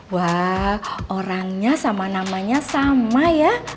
wah orangnya sama namanya sama ya